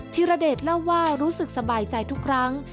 ธิรเดชเล่าว่ารู้สึกสบายใจทุกครั้ง